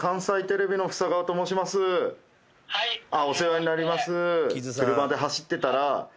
お世話になります。